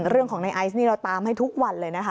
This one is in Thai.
เรื่องของในไอซ์นี่เราตามให้ทุกวันเลยนะคะ